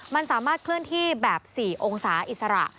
มันสามารถเคลื่อนที่แบบ๔องศาอิสระ